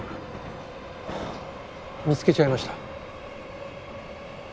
見つけちゃいました。